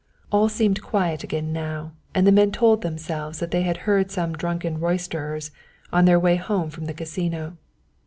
All seemed quiet again now, and the men told themselves that they had heard some drunken roysterers on their way home from the Casino.